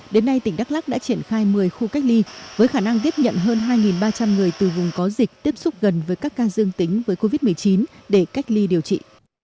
đến nay tỉnh đắk lắc đã triển khai một mươi khu cách ly với khả năng tiếp nhận hơn hai ba trăm linh người từ vùng có dịch tiếp xúc gần với các ca dương tính với covid một mươi chín để cách ly điều trị